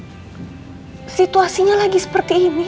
nah situasinya lagi seperti ini